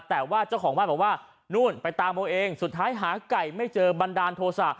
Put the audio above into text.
แต่ว่าเจ้าของบ้านบอกว่านู่นไปตามเอาเองสุดท้ายหาไก่ไม่เจอบันดาลโทษะ